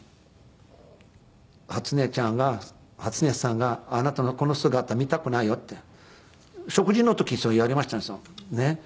初音ちゃんが「初音さんがあなたのこの姿見たくないよ」って食事の時そう言われましたね。